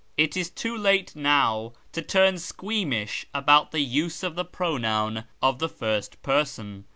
It is too late now to turn squeamish about the use of the pronoun of the first person.